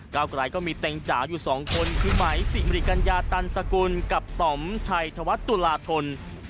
ก้าวไกรก็มีแต่งจ๋าอยู่สองคนคือหมายศรีมริกัญญาตันสกุลกับสมไทยทวัฒน์ตุลาธน